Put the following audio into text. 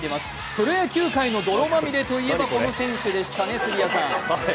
プロ野球界の泥まみれといえば、この選手でしたね、杉谷さん。